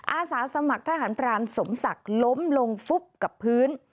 อาสาสมัครทหารพรานสมศักดิ์ล้มลงฟุบกับพื้น